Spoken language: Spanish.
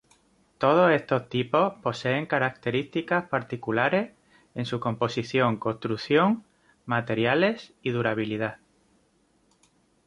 Todos estos tipos poseen características particulares en su composición, construcción, materiales y durabilidad.